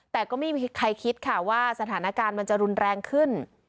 แต่ก็ไม่มีใครคิดค่ะว่าสถานการณ์มันจะรุนแรงขึ้น